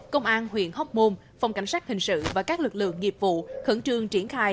công an huyện hóc môn phòng cảnh sát hình sự và các lực lượng nghiệp vụ khẩn trương triển khai